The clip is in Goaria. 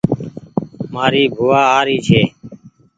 مآري بووآ آ ري ڇي